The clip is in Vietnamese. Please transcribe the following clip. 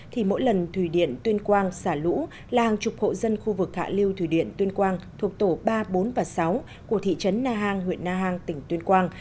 thì mỗi lần thủy điện tuyên quang xả lũ là hàng chục hộ dân khu vực hạ lưu thủy điện tuyên quang thuộc tổ ba mươi bốn và sáu của thị trấn na hàng huyện na hàng tỉnh tuyên quang